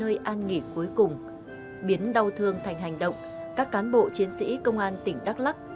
nơi an nghỉ cuối cùng biến đau thương thành hành động các cán bộ chiến sĩ công an tỉnh đắk lắc